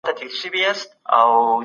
ویاړ